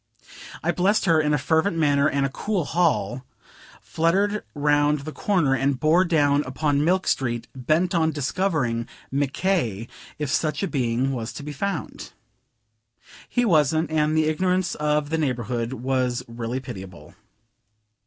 I blessed her in a fervent manner and a cool hall, fluttered round the corner, and bore down upon Milk Street, bent on discovering Mc K. if such a being was to be found. He wasn't, and the ignorance of the neighborhood was really pitiable.